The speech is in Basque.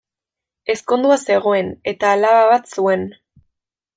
Ezkondua zegoen eta alaba bat zuen.